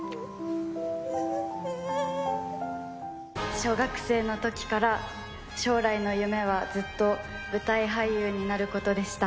小学生のときから、将来の夢はずっと舞台俳優になることでした。